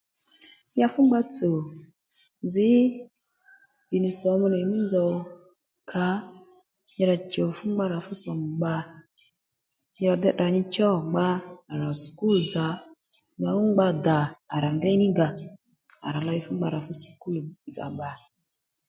Ya fú ngba tsùw nzǐ ì nì sǒmu nì mí nzòw kǎ nyi rà chù fú ngba rà sòmù bbà nyi rà dey tdrà nyi chô ngba nì sùkúl dzà nwǎŋú ngba dà à rà ngéy ní ngà à rà ley fú ngba rà sùkúl dzà bbà